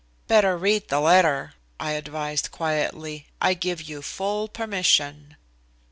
"Better read the letter," I advised quietly. "I give you full permission."